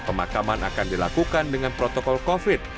pemakaman akan dilakukan dengan protokol covid sembilan belas